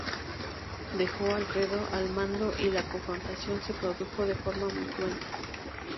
Dejó a Alfredo al mando, y la confrontación se produjo de forma muy cruenta.